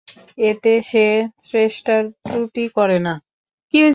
এতে সে চেষ্টার ত্রুটি করে না।